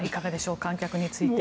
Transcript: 観客について。